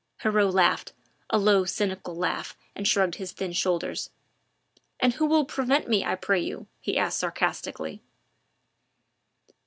Heriot laughed a low, cynical laugh and shrugged his thin shoulders: "And who will prevent me, I pray you?" he asked sarcastically.